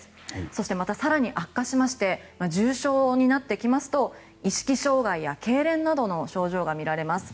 そしてまた、更に悪化して重症になってきますと意識障害やけいれんなどの症状がみられます。